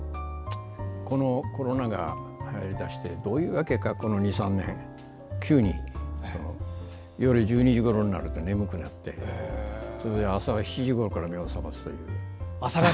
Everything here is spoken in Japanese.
このコロナがはやり出してどういうわけか、この２３年急に夜１２時ごろになると眠くなってそれで朝７時ごろから目を覚ますという。